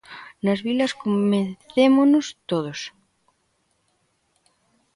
Nas vilas comecémonos todos.